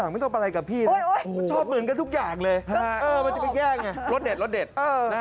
เป็นรสเด็ดนะครับ